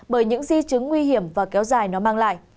bởi những di chứng nguy hiểm và kéo dài nó mang lại